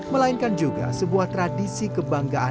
melainkan juga sebuah tradisi kebanggaan